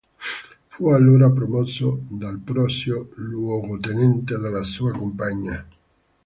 Fu allora promosso dal prozio luogotenente della sua compagnia.